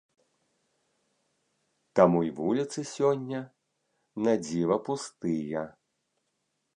Таму й вуліцы сёння надзіва пустыя.